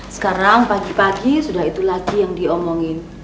sekarang pagi pagi sudah itu lagi yang diomongin